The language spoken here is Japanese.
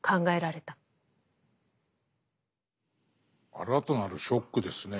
新たなるショックですね。